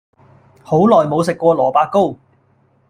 好耐無食過蘿蔔糕